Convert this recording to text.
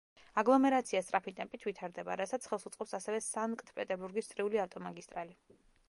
აგლომერაცია სწრაფი ტემპით ვითარდება, რასაც ხელს უწყობს ასევე სანქტ-პეტერბურგის წრიული ავტომაგისტრალი.